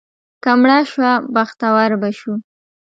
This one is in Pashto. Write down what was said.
که مړه شو، بختور به شو.